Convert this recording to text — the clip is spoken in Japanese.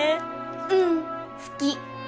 うん好き